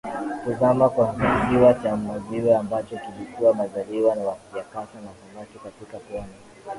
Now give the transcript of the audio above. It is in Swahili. Kuzama kwa kisiwa cha Maziwe ambacho kilikuwa mazalia ya kasa na samaki katika pwani